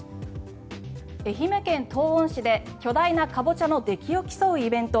愛媛県東温市で巨大なカボチャの出来を競うイベント